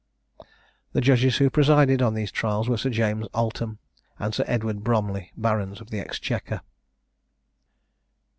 The judges who presided on these trials were Sir James Altham and Sir Edward Bromley, barons of the exchequer.